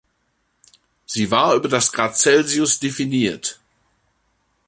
Sie war über das Grad Celsius definiert.